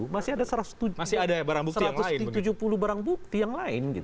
masih ada satu ratus tujuh puluh barang bukti yang lain